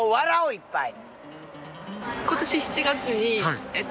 いっぱい！